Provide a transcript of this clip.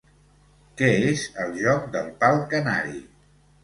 Què és el joc del pal canari?